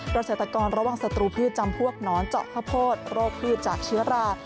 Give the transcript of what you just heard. เกษตรกรระวังศัตรูพืชจำพวกหนอนเจาะข้าวโพดโรคพืชจากเชื้อรา